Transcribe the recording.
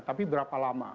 tapi berapa lama